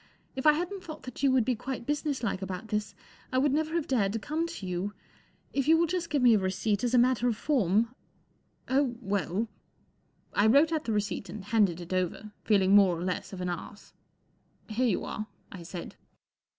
If I hadn t thought that you would be quite businesslike about this, I would never have dared to come to you. If you will just give me a receipt, as a matter of form " 44 Oh, well." I wrote out the receipt and handed it over, feeling more or less of an ass. 4 Here you are," I said.